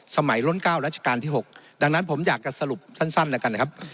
ล้น๙รัชกาลที่๖ดังนั้นผมอยากจะสรุปสั้นแล้วกันนะครับ